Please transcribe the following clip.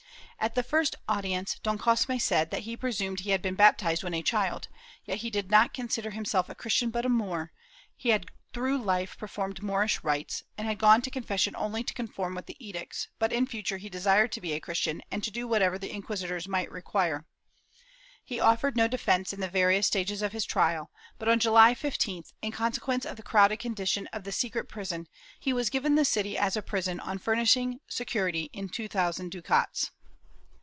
At the first audience Don Cosme said that he presumed he had been baptized when a child, yet he did not consider himself a Christian but a Moor; he had through life performed Moorish rites and had gone to confession only to conform with the edicts, but in future he desired to be a Christian and to do whatever the inquisitors might require. He offered no defence in the various stages of his trial, but on July 15th, in consequence of the crowded condition of the secret prison, he was given the city as a prison on furnishing security in two thousand ducats.